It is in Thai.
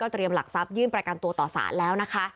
เตรียมหลักทรัพยื่นประกันตัวต่อสารแล้วนะคะ